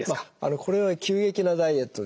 これは急激なダイエットですね